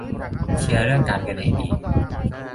เคลียร์เรื่องการเงินให้ดี